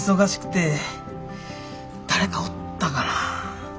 誰かおったかな。